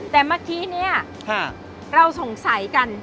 แต่เมื่อกี้เราสงสัยกัน